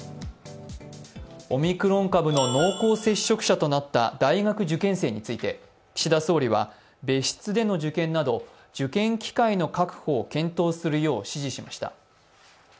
オミクロン株の濃厚接触者となった大学受験生について岸田総理は別室での受験など受験機会の確保を検討するよう指示しました。